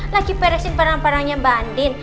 lagi peresin perang perangnya mbak andin